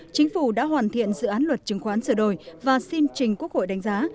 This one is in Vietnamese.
chính phủ đã hoàn thiện dự án luật chứng khoán sửa đổi và xin trình quốc hội đánh giá